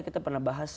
kita pernah bahas